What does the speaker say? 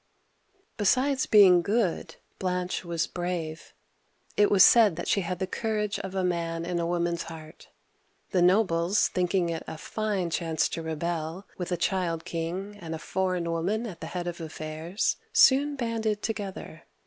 Besides being good, Blanche was brave ; it was said that she had the courage of a man in a woman's heart. The nobles, thinking it a fine chance to rebel, with a child king and a foreign woman at the head of affairs, soon banded together.